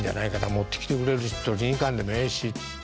持ってきてくれる人に言いに行かんでもええしって。